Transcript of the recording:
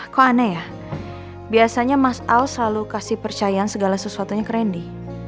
kok aneh ya biasanya mas al selalu kasih percaya segala sesuatunya ke randy